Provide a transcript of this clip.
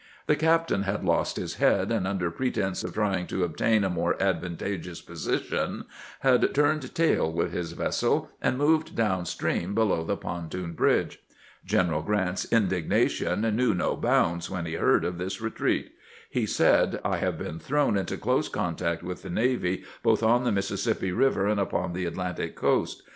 The captain had lost his head, and under pretense of trying to obtain a more advan tageous position, had turned tail with his vessel, and moved down stream below the pontoon bridge. Gren eral G rant's indignation knew no bounds when he heard of this retreat. He said :" I have been thrown into close contact with the navy, both on the Mississippi Eiver and upon the Atlantic coast.